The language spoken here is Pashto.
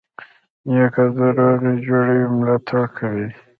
نیکه د روغي جوړې ملاتړ کوي.